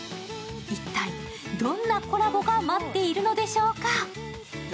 一体どんなコラボが待っているのでしょうか。